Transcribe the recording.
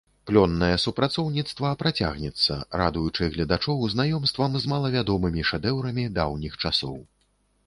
Плённае супрацоўніцтва працягнецца, радуючы гледачоў знаёмствам з малавядомымі шэдэўрамі даўніх часоў.